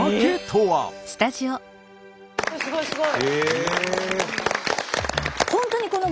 すごいすごい。